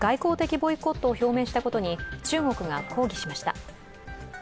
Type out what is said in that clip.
ボイコットを表明したことに中国が抗議しました。